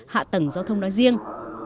hạ tầng giao thông nói riêng